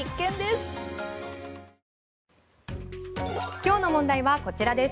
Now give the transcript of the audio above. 今日の問題はこちらです。